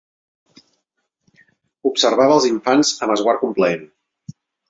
Observava els infants amb esguard complaent.